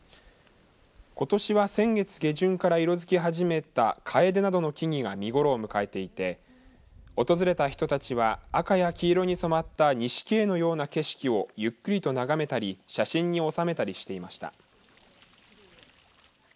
ことしは先月下旬から色づき始めたかえでなどの木々が見頃を迎えていて訪れた人たちは赤や黄色に染まった錦絵のような景色をゆっくりと眺めたり写真に収めたりしていました。